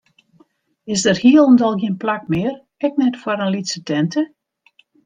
Is der hielendal gjin plak mear, ek net foar in lytse tinte?